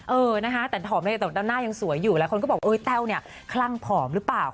เออนะฮะแต่หน้ายังสวยอยู่แล้วคนก็บอกเต้าเนี่ยคลั่งผอมหรือเปล่า